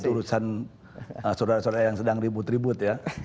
urusan saudara saudara yang sedang ribut ribut ya